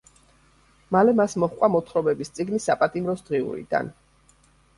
მალე მას მოჰყვა მოთხრობების წიგნი „საპატიმროს დღიურიდან“.